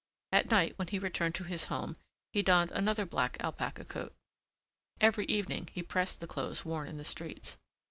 At night when he returned to his home he donned another black alpaca coat. Every evening he pressed the clothes worn in the streets.